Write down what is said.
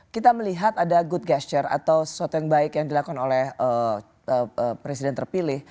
kita melihat ada good gesture atau sesuatu yang baik yang dilakukan oleh presiden terpilih